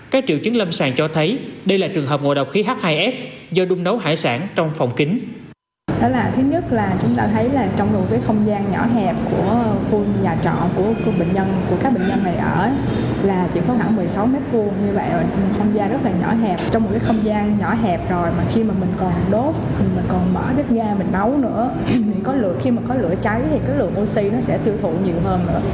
các triệu chứng lâm sàng cho thấy đây là trường hợp ngộ độc khí h hai s do đun nấu hải sản trong phòng kính